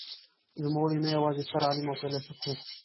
نوموړی نه یوازې ستر عالم او فیلسوف و.